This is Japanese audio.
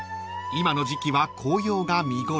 今の時季は紅葉が見頃］